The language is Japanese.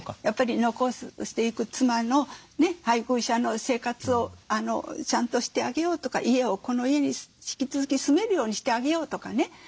やっぱり残していく妻の配偶者の生活をちゃんとしてあげようとかこの家に引き続き住めるようにしてあげようとかね。